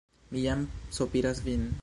Mi jam sopiras vin!